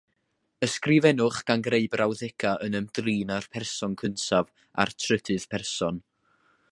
Ysgrifennwch gan greu brawddegau yn ymdrin â'r person cyntaf a'r trydydd person.